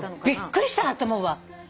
びっくりしたんだと思うわ。